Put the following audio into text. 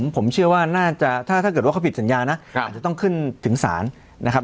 ผมเชื่อว่าน่าจะถ้าเกิดว่าเขาผิดสัญญานะอาจจะต้องขึ้นถึงศาลนะครับ